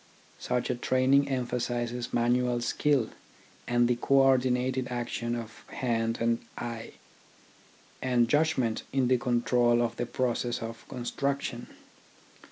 Such a training emphasises manual skill, and the co ordinated action of hand and eye, and judg ment in the control of the process of construction.